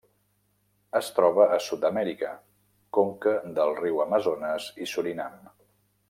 Es troba a Sud-amèrica: conca del riu Amazones i Surinam.